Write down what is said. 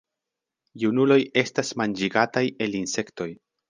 Junuloj estas manĝigataj el insektoj.